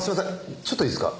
ちょっといいですか？